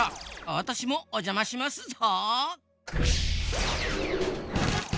わたしもおじゃましますぞ！